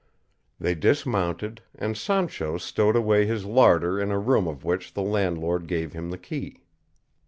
They dismounted, and Sancho stowed away his larder in a room of which the landlord gave him the key.